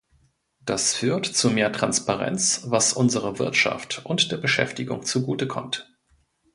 Das führt zu mehr Transparenz, was unserer Wirtschaft und der Beschäftigung zugute kommt.